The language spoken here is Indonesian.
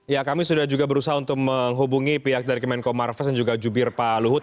ya kami sudah juga berusaha untuk menghubungi pihak dari kemenko marves dan juga jubir pak luhut